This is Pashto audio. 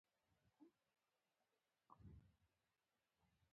رسول الله صلى الله عليه وسلم د عفوې او بخښنې پیغام ورکوه.